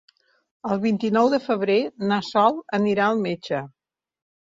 El vint-i-nou de febrer na Sol anirà al metge.